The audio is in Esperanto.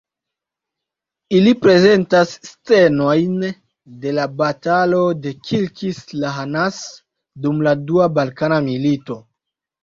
Ili prezentas scenojn de la Batalo de Kilkis-Lahanas dum la Dua Balkana Milito.